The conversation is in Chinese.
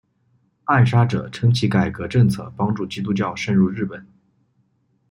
暗杀者称其改革政策帮助基督教渗入日本。